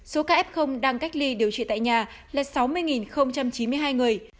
số ca f đang cách ly điều trị tại nhà là sáu mươi chín mươi hai người